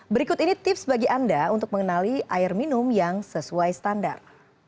berikut ini tips bagi anda untuk mengenali air minum yang sesuai standar